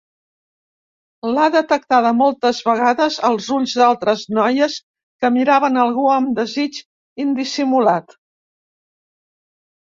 L'ha detectada moltes vegades als ulls d'altres noies que miraven algú amb desig indissimulat.